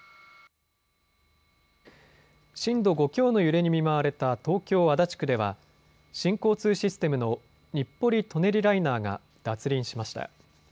震度５強の揺れに見舞われた東京足立区では新交通システムの日暮里・舎人ライナーが脱輪しました。